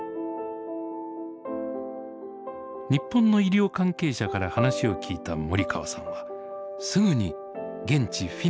日本の医療関係者から話を聞いた森川さんはすぐに現地・フィンランドを訪ねました。